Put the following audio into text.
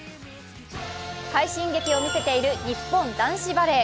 快進撃を見せている日本男子バレー。